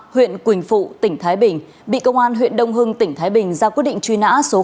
huyện quỳnh phụ tỉnh thái bình bị công an huyện đông hưng tỉnh thái bình ra quyết định truy nã số một